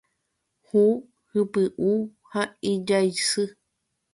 Hũ, hypy'ũ ha ijaysy.